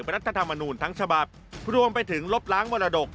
รัฐธรรมนูลทั้งฉบับรวมไปถึงลบล้างมรดก